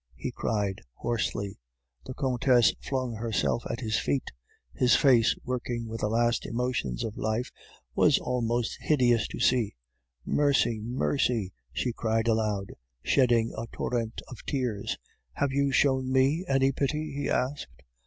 he cried, hoarsely. "The Countess flung herself at his feet. His face, working with the last emotions of life, was almost hideous to see. "'Mercy! mercy!' she cried aloud, shedding a torrent of tears. "'Have you shown me any pity?' he asked.